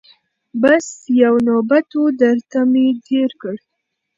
بس یو نوبت وو درته مي تېر کړ